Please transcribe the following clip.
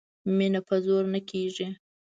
مینه په زور نه کیږي